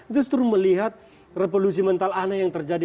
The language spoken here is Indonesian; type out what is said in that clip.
justru melihat revolusi mental aneh yang terjadi